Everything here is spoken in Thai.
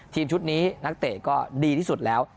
ทีมชุดนี้นักเตะก็ดีที่สุดแล้ว